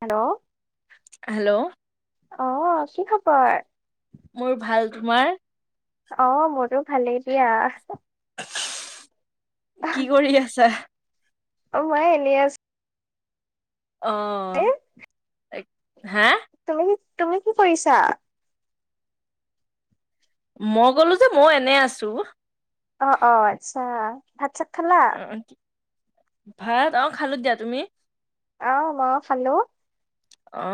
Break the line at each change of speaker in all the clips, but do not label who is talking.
Hello?
Hello?
অ, কি খবৰ?
মোৰ ভাল তোমাৰ?
অ, মোৰো ভালেই দিয়া।
কি কৰি আছা?
অ, মই এনে আছো।
অ,
এ
হা
তুমি কি, তুমি কি কুৰিছা?
মই গ'লো যে মই এনে আছো।
অ', অ', আচ্ছা। ভাত, চাত খালা।
অ, ভাত অ, খালো দিয়া তুমি?
আহ, ময়ো।
অ,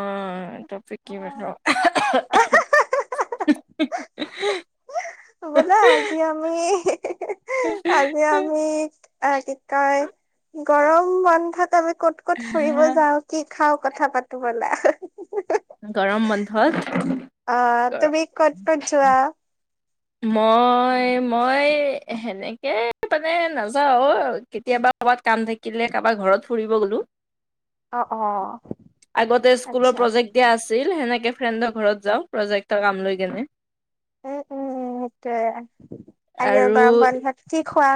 তাপি
অ
কি [unintelligible]
বোলা আজি আমি আমি এ কি কয় গৰম বন্ধাত আমি ক'ত ক'ত ফুৰিব যাও, কি খাওঁ কথা পাতো বোলা।
গৰম বন্ধত
অ তুমি ক'ত ক'ত যোৱা?
মই মই সেনেকে মানে নাযাওঁ কেতিয়াবা কৰবাত কাম থাকিলে কাৰোবাৰ ঘৰত ফুৰিব গলো।
অ অ
আগতে স্কুলৰ
আচ্ছা
প্ৰজেক্ট এতিয়া আছিল, সেনেকে ফ্ৰেণ্ডৰ ঘৰত যাওঁ প্ৰজেক্টৰ কাম লৈ কেনে।
উম উম উম সেইটোয়ে আৰু গৰম বন্ধত কি খোৱা?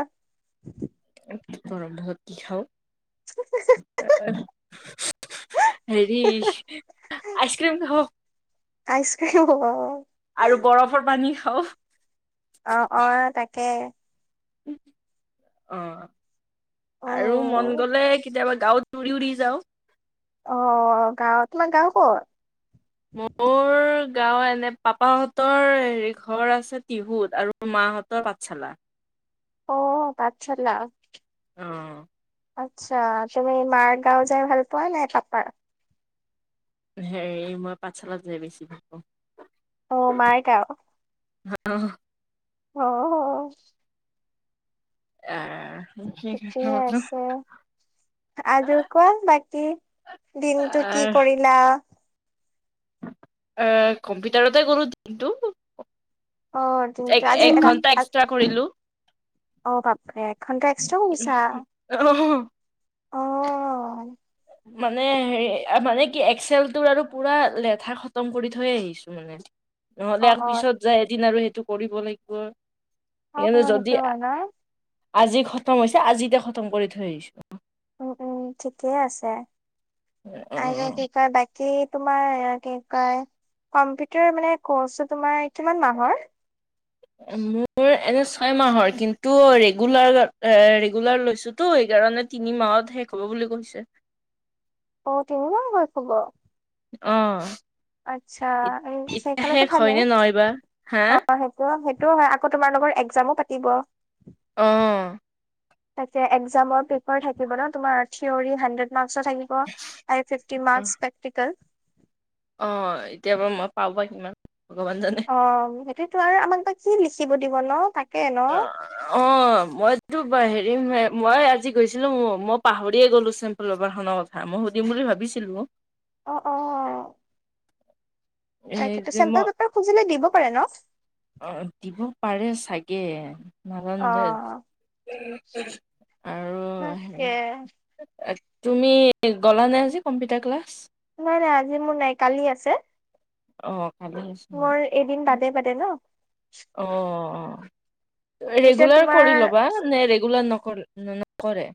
গৰম বন্ধ কি খাওঁ? হেৰি আইচক্ৰীম খাওঁ।
আইচক্ৰীম অহ।
বৰফৰ পানী খাওঁ।
অ অ তাকে।
অ আৰু মন
উম,
গ'লে কেতিয়াবা গাঁওত উৰি উৰি যাওঁ।
অ গাঁও তোমাৰ গাঁও ক'ত?
মোৰ গাঁও এনে, পাপাহঁতৰ হেৰি ঘৰ আছে তিহুত আৰু মাহঁতৰ পাঠশালা।
অ পাঠশালা।
অ।
আচ্ছা তুমি মাৰ গাঁও যাই ভাল পোৱা নে পাপাৰ?
হেই মই পাঠশালাত যায় বেছি ভাল পাওঁ।
অ মাৰ গাঁও।
[inaudible]
অ অ।
এ
এপিনেই আছে আৰু কোৱা বাকী দিনটো কি
আহ
কৰিলা?
অ', কম্পিউটাৰতে কৰোঁ দিনটো।
অ', টো
এক
আজি
এক
ৰা
ঘন্টা
আ
এক্সট্ৰা কৰিলো
অ', বাপৰে এক ঘণ্টা এক্সট্ৰা [unintelligible]
[inaudible]
অ',
মানে হেৰি মানে কি এক্সেল টোৰ আৰু পুৰা লেঠা খতম কৰি থৈ আহিছোঁ। মানে নহ'লে
অ',
আৰু
অ',
পিছত যায় এদিন আৰু সেইটো কৰিব লাগিব।
অ',
সেয়ে
অ', সেইটো
যদি
হয় ন?
আজি খতম হৈছে, আজিতে খতম কৰি থৈ আহিছোঁ।
উম, উম, ঠিকেই আছে, আৰু কি
অ',
কয় বাক কি তোমাৰ কি কয়, কম্পিউটাৰ মানে কোৰ্চটো তোমাৰ কিমান মাহৰ?
মোৰ এনে ছয় মাহৰ, কিন্তু ৰেগুলাৰ এ ৰেগুলাৰ লৈছোঁ। টো সেইকাৰণে তিনি মাহত শেষ হ'ব বুলি কৈছে।
অ', তিনি মাহত শেষ হ'ব।
অ'।
আচ্ছা, এই
এতিয়া
সেইফালেটো
শেষ
ভালে
হয় নে নহয় বা হা
অ', সেই ত', সেইটোওঁ হয় আকৌ তোমালোকৰ এক্সামও পাতিব।
অঁ'।
তাকে এক্সামৰ পেপাৰ থাকিব ন'তোমাৰ থিয়ৰি হাড্ৰেড মাৰ্কচৰ থাকিব। Fifty marks practical.
অ', এতিয়া বাৰু মই পাওঁ বা কিমান ভগৱান জানে।
অ', সেইটোতো আৰু আমাক বা কি লিখিব দিব ন' তাক
অ'। অ', মইটো হেৰিম মই আজি গৈছিলো ম' মই পাহৰিয়ে গ'লো চ বাৰখনৰ কথা, মই সুধিম বুলি ভাবিছিলো।
অ', অ'।
এ
তাকেটো,
যে
চেম্পল
মই
পেপাৰ খুজিলে দিব পাৰে ন'।
অ', দিব পাৰে চাগে
অ
কাৰণ
তাকে
তুমি গ'লা নে আজি কম্পিউটাৰ ক্লাছ?
নাই, নাই, আজি মোৰ নাই, কালি আছে।
অ', ভালেই
মোৰ এদিন বাদে বাদে ন'।
অ',
এতিয়া
ৰেগুলাৰ
তোমাৰ
কৰি ল'বা, নে ৰেগুলাৰ নকৰা নকৰে।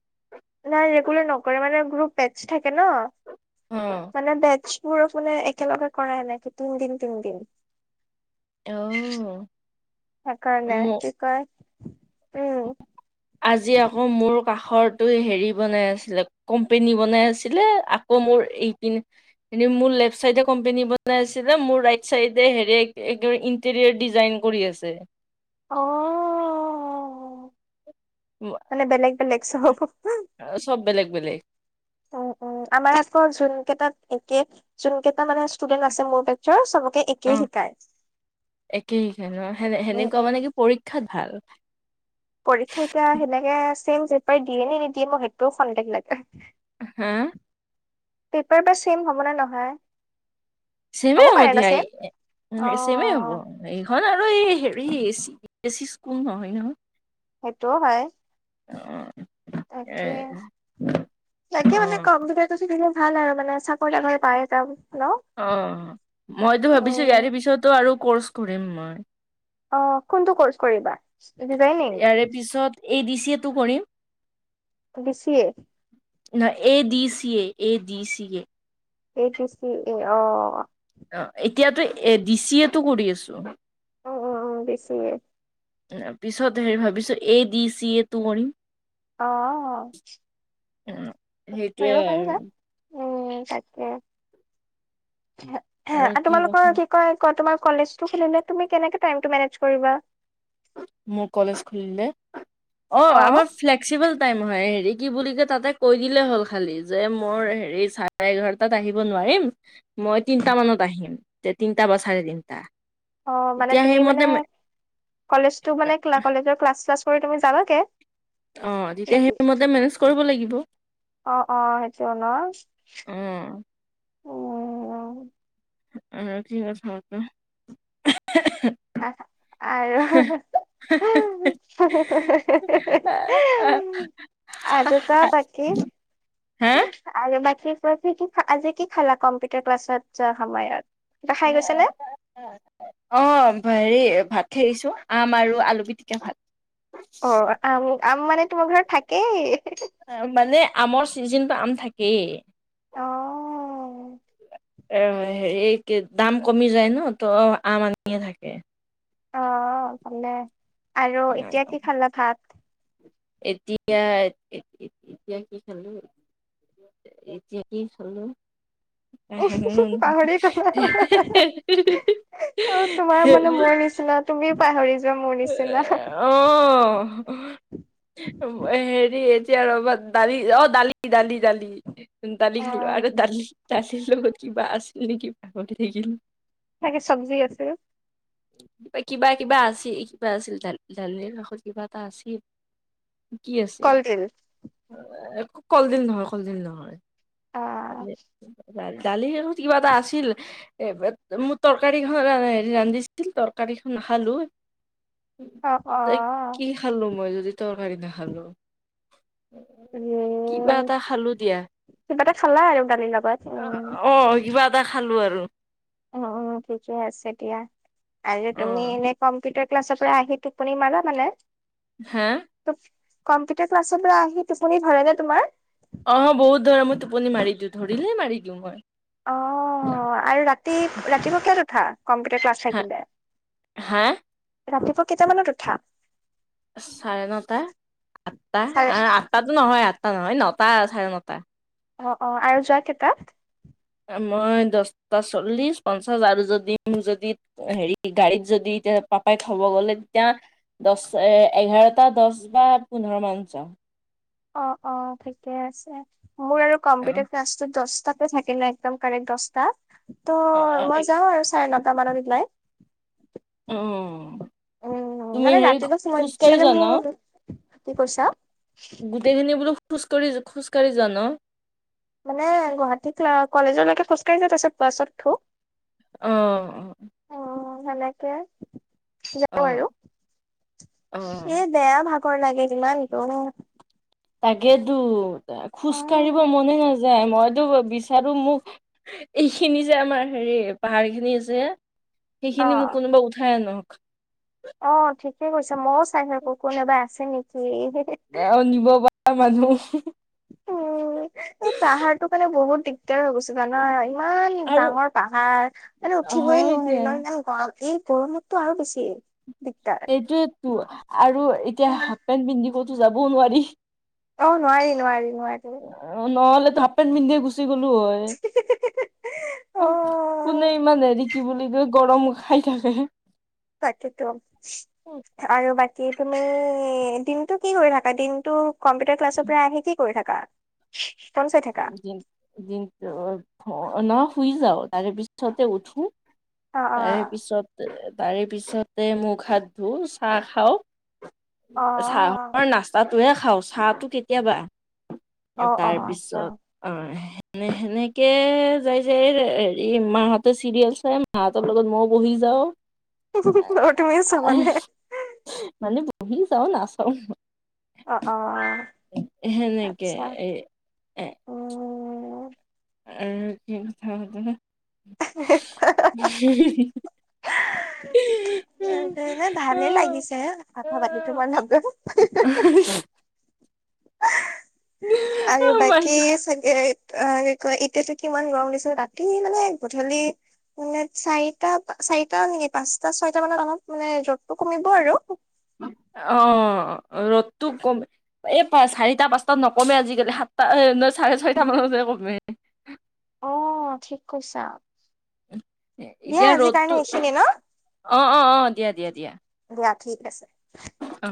নাই ৰেগুলাৰ নকৰে, মানে গ্ৰুপ বেটছ থাকে ন'।
অ'।
মানে বেটছবোৰ মানে একেলগে কৰাই নাই তিন দিন, তিন দিন। সেইকাৰণে,
অ
কি কয় উম
আজি আকৌ মোৰ কাষৰটোই হেৰি বনাই আছিলে কোম্পেনী বনাই আছিলে, আকৌ মোৰ এইপিন এনে মোৰ লেফট চাইডে কোম্পনী বনাইছিলে মোৰ ৰাইট চাইডে হেৰি ডিজাইন কৰি আছে।
অ অ অ
[inaudible]
মানে বেলেগ বেলেগ চব।
চব বেলেগ বেলেগ।
উম উম আমাৰ আকৌ যোন কেইটাত একে যোন কেইটা মানে ষ্টুডেন্ট আছে মোৰ বেচ্ছৰ চবকে এক
অ একেই
উম
সে-সেনে-সেনেকুৱা
উম
মানে কি পৰীক্ষাত ভাল।
পৰীক্ষা এয়া সেনেকে ছেম পেপাৰ দিয়ে নে নিদিয়ে মোক সেইটোও সন্দেহ লাগে।
হা?
পেপাৰ বা চেম হ'বনে নহয়?
চেমে হ'ব
পাৰে ন
দিয়,
ছেম
চমে হ'ব।
অ
এইখন আৰু এই হেৰি এচি এচি স্কুল নহয় নহয়।
সেইটোও হয়।
উম।
তাকে, তাকে মানে
অ
কমটো দিলে ভাল আৰু মানে চাকৰি-ঠাকৰি পায় এ যাম। ন
অ মইতো ভাবিছো
উম
ইয়াৰে পিছতো আৰু কৰ্চ কৰিম মই।
অ কোনটো কৰ্চ কৰিবা? ডিজাইনিং?
ইয়াৰে পিছত এ দি চিয়ে টো কৰিম।
বেছিয়ে
নহয়, A D C A, A D C A
A D C A, অ'
অ', এতিয়াতো এ ডি চি এটো কৰি আছোঁ।
উম উম উম, বি চি এ
পিছত হেৰি ভাবিছো, এই দি চি এটো কৰিম।
অ',
সেইটোয়ে
কৰিব পাৰিবা।
আৰু
উম তাকে,
আৰু কি কথা
তোমালোকৰ কি কোৱা কোৱা, তোমাৰ কলেজটো খুলিলে তুমি কেনেকে টাইমটো মেনেজ কৰিবা?
মোৰ কলেজ খুলিলে, অ' আমাৰ ফ্লেক্সিবল টাইম হয়, হেৰি কি বুলিকে তাতে কৈ দিলে হ'ল খালি, যে মোৰ হেৰি চা চাৰে এঘাৰটাত আহিব নোৱাৰিম, মই তিনিটা মানত আহিম, তে তিনিটা বা চাৰে তিনিটা।
অ', মানে তুমি মানে, কলেজটো মানে কলেজৰ ক্লাছ-শ্লাছ কৰি তুমি যাবাগে?
অ', তেতিয়া
নেকি
সেইটো মতে মেনেজ কৰিব লাগিব।
অ' অ', সেইটোৱে ন, উম।
[unintelligible]
[inaudible] আৰু
হা
[unintelligible] আৰু কোৱা বাকী আৰু বাকী কোৱা, কি কি-আজি কি খালা কম্পিউটাৰ ক্লাছত যোৱা সময়ত? কিবা খাই
এই
গৈছে নে
[unintelligible] অ', হেৰি ভাত খাই আহিছোঁ, আম আৰু আলু পিটিকা ভাত।
অ', আম-আম মানে তোমাৰ ঘৰত থাকেই
মানে আমৰ চিজনটো, আম থাকেই
অ
এ হেৰি, কি দাম কমি যায় ন, ত' আম আনিয়ে থাকে।
অ' অ', ভালে, আৰু এতিয়া কি খালা ভাত?
এতিয়া-এ-এতিয়া কি খালো এতিয়া কি খালোঁ
পাহৰি গলা
[unintelligible]
অ', তোমাৰ মানে মোৰ নিচিনা, তুমিও পাহৰি যোৱা মোৰ নিচিনা।
অ' হেৰি এতিয়া ৰ'বা, দালি অ', দালি দালি দালি।
অ
দালি খালোঁ, আৰু দালি-দালিৰ লগত কিবা আছিল নেকি পাহৰি থাকিলোঁ।
চাগে চব্জি আছিল
কিবা কিবা আছিল-কিবা আছিল দালিৰ-দালিৰ লগত কিবা এটা আছিল কি আছিল,
কলডিল
ৰ'বা, কলডিল নহয় কলডিল নহয়।
অ
[inaudible] দালি আৰু কিবা এটা আছিল, এ-মোৰ তৰকাৰীখন [unintelligible] ৰান্ধিছি ছীল, তৰকাৰীখন নাখালোঁ,
অ অ
[unintelligible] খালোঁ, মই যদি তৰকাৰী নাখালোঁ। কিবা
উম,
এটা খালোঁ দিয়া।
কিবা এটা খালা আৰু দালিৰ লগত উম।
অ', কিবা এটা খালোঁ আৰু।
উম উম, ঠিকে আছে দিয়া, কাইলে
অ
তুমি এনেই কম্পিউটাৰ ক্লাছৰ পৰা আহি টোপনি মাৰা মানে?
হা?
কম্পিউটাৰ ক্লাছৰ পৰা আহি টোপনি ধৰেনে তোমাৰ?
অ', বহুত ধৰে, মই টোপনি মাৰি দিওঁ, ধৰিলেই মাৰি দিওঁ মই।
অ', আৰু ৰাতি-ৰাতিপুৱা কেইটাত উঠা, কম্পিউটাৰ ক্লাছ
হা
থাকিলে?
হা?
ৰাতিপুৱা কেইটামানত উঠা?
চাৰে নটা আঠটা
চাৰে
আঠটাাতো নহয় আঠটা নহয় নটা চাৰে নটা।
অ, অ, আৰু যোৱা কেইটা?
মই দহটা চল্লিশ পঞ্চাছ আৰু যদি যদি হেৰি গাড়ীত যদি তে পাপাই খাব গ'লে তেতিয়া দহ এ এঘাৰটা দহ বা পোন্ধৰ মানত যাওঁ।
অ, অ, ঠিকে আছে মোৰ আৰু কম্পিউটাৰ ক্লাছো দহটাত থাকিলে একদম কাৰেক্ট দহটা ত' মই যাও আৰু চাৰে নটা মানত ওলাই।
উম,
উম,
তুমি
মানে
হেৰি
ৰাতিপুৱাছ মই
খোজকাঢ়ি
মানে
যোৱা ন
মোৰ, কি কৈছা?
গোটেইখিনি বোলো খোজঢ়ি-খোজকাঢ়ি যোৱা ন?
মানে গুৱাহাটীত কলেজলৈকে খোজকাঢ়ি যাত আছত বাছত উঠোঁ।
অ, অ,
অ, সেনেকে
অ
যও আৰু।
অ অ
এ বেয়া ভাগৰ লাগে ইমান দূৰ।
তাকেতো, খোজকাঢ়িব
অ'
মনে নাযায় মইতো বিচাৰো মোক এই খিনি যে আমাৰ হেৰি পাহাৰ খিনি যে, সেইখিনি মোক
অ'
কোনোবা উঠাই আনক।
অ, ঠিকে কৈছে মইো চাই থাকো কোনোবা আছে নেকি।
[inaudible] নিব পাৰা মানু্হ।
উম, এই পাহাৰতটো কাৰানে বহুত দিগদাৰ হৈ গৈছে জানা? ইমান
আৰু
ডাঙৰ পাহাৰ মানে উঠিবই
হয়
[inaudible]
দিয়া
ইমান গম এই বৰ তটো আৰু বেছি দিগদাৰ।
সেইটোয়ো আৰু এতিয়া হাফ পেণ্ট পিন্ধি ক'তো যাবও নোৱাৰি।
অ, নোৱাৰি নোৱাৰি নোৱাৰি।
অ, নহ'লেতো হালফ পেণ্ট পিন্ধিয়ে গুছ গলো হয় কোনে
অ'
ইমান হেৰি কি বুলি কৈ গৰম খাই থাকে।
তাকেতো। আৰু বাকী তুমি দিনতটো কি কৰি থাকা? দিনটো কম্পিউটাৰ ক্লাছৰ পৰা আহে কি কৰি থাকা? ফোন চাই থাকা
[inaudible] শুই যাও তাৰে পিছতে উঠো।
অ অ
তাৰে পিছতে তাৰে পিছতে মুখ হাত ধুওঁ চাহ খাওঁ।
অ
চাহৰ নাস্তাটোহে খাওঁ চাহটো কেতিয়াবা,
অ অ
এ
অ
তাৰ পিছ
আচ্ছা
অ, স সেনেকে যাই যাই হেৰি মাহতে চিৰিয়েল চাই মাহ তৰ লগত মই বহি যাওঁ।
[inaudible]
মানে বহি যাওঁ নাচাও মই।
অ, অ, অ।
সেনেকে এই
উম
[inaudible] [unintelligible]
এই এনে
অ
ভালেই লাগিছে
অ
কথা পাতি তোমাৰ লগত। আৰু
অ মাই
বাকী চাগে অ, কি কয় এতিয়াতো কিমান গৰম দিছে ৰাতি মানে গধূলি মানে চাৰিটা চাৰিটা নেকি পাঁচটা ছয়তা মানত অলপ মানে ৰদটো কমিব আৰু।
অ, ৰদতু কম এ, প চাৰিটা পাঁচটাত নকমে আজিকালি সাতটা ন চাৰে ছয়টা মানতহে কমে।
অ ঠিক কৈছা। দিয়া
এতিয়া
আজিৰ
ৰ'দতটো
কাৰণে এইখিনি
অ, অ, অ দিয়া দিয়া দিয়া।
দিয়া ঠিক আছে।
অ'।